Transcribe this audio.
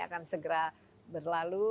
akan segera berlalu